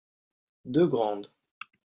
Deux grandes.